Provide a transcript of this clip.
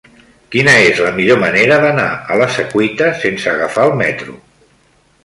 Quina és la millor manera d'anar a la Secuita sense agafar el metro?